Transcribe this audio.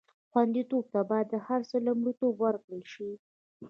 خوندیتوب ته باید تر هر څه لومړیتوب ورکړل شي.